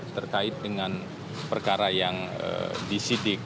terkait dengan perkara yang disidik